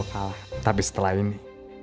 aku akan menanginmu